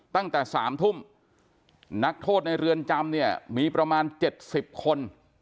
ตั้งแต่สามทุ่มนักโทษในเรือนจำเนี้ยมีประมาณเจ็ดสิบคน